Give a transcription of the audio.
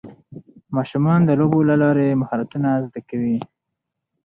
ماشومان د لوبو له لارې مهارتونه زده کوي